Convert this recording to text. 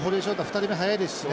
２人目早いですしね。